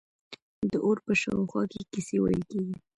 د اور په شاوخوا کې کیسې ویل کیږي.